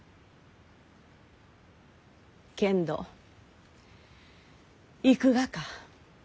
けんど行くがか？